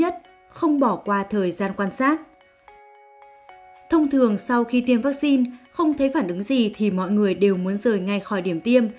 thông thường sau khi tiêm vaccine không thấy phản ứng gì thì mọi người đều muốn rời ngay khỏi điểm tiêm